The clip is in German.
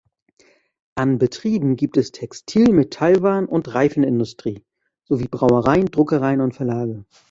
An Betrieben gibt es Textil-, Metallwaren- und Reifenindustrie sowie Brauereien, Druckereien und Verlage.